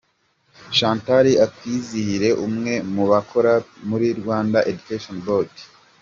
Chantal Akwizihire : Umwe mu bakora muri Rwanda Education Board.